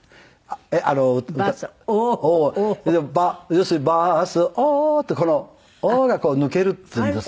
要するに「バスを」ってこの「を」が抜けるっていうんですか。